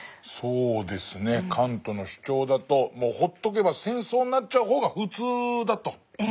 そうですねカントの主張だともうほっとけば戦争になっちゃう方が普通だと。